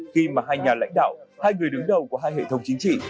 khi mà hai nhà lãnh đạo hai người đứng đầu của hai hệ thống chính trị